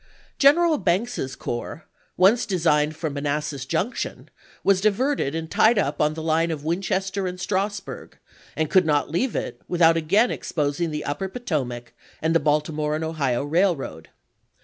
General Banks's corps, once designed for Manassas Junction, was diverted and tied up on the line of Winchester and Stras burg, and could not leave it without again exposing the upper Potomac and the Baltimore and Ohio Railroad.